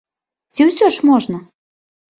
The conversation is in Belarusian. Ці ўсё ж можна?